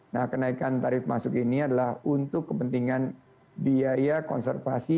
nah kenaikan tarif masuk ini adalah untuk kepentingan biaya konservasi